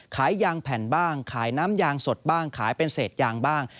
ขายยางแผ่นบ้างขายน้ำยางสดบ้างขายเป็นเศษยางบ้าง